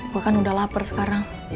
gue kan udah lapar sekarang